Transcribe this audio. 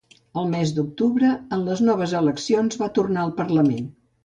Al mes d'octubre en les noves eleccions va tornar al parlament.